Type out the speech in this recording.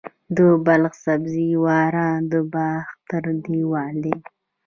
د بلخ سبزې وار د باختر دیوال دی